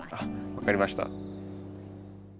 分かりました。